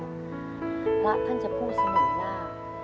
พระท่านจะพูดเสมอว่า